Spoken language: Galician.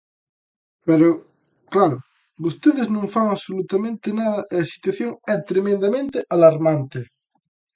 Pero, claro, vostedes non fan absolutamente nada e a situación é tremendamente alarmante.